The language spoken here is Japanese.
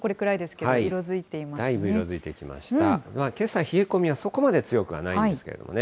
けさ、冷え込みはそこまで強くはないんですけれどもね。